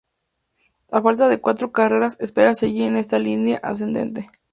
A falta de cuatro carreras espera seguir en esta línea ascendente.